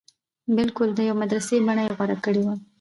بلکل د يوې مدرسې بنه يې غوره کړې وه.